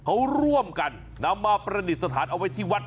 เขาร่วมกันนำมาประดิษฐานเอาไว้ที่วัด